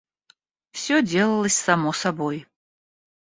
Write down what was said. Всё делалось само собой.